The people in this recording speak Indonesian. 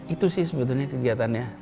itu sih sebetulnya kegiatannya